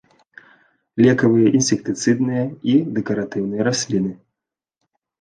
Лекавыя, інсектыцыдныя і дэкаратыўныя расліны.